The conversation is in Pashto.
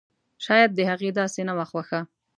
شايد د هغې داسې نه وه خوښه!